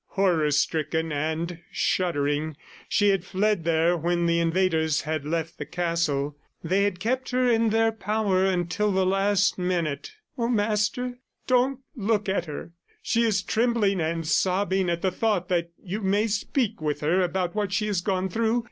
Horror stricken and shuddering, she had fled there when the invaders had left the castle. They had kept her in their power until the last minute. "Oh, Master, don't look at her. ... She is trembling and sobbing at the thought that you may speak with her about what she has gone through.